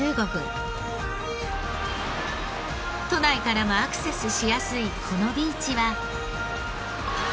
都内からもアクセスしやすいこのビーチは。